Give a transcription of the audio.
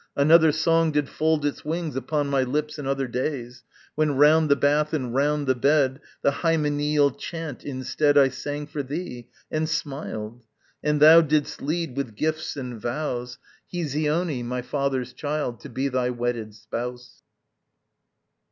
Another song did fold its wings Upon my lips in other days, When round the bath and round the bed The hymeneal chant instead I sang for thee, and smiled, And thou didst lead, with gifts and vows, Hesione, my father's child, To be thy wedded spouse.